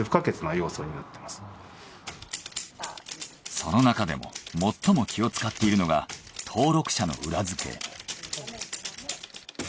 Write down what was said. そのなかでも最も気を使っているのが登録者の裏付け。